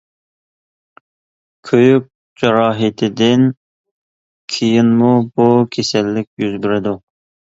كۆيۈك جاراھىتىدىن كېيىنمۇ بۇ كېسەللىك يۈز بېرىدۇ.